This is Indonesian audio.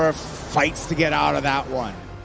berjuang untuk keluar dari itu